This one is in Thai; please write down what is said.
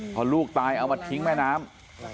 พอลูกตายเอามาทิ้งแม่น้ำ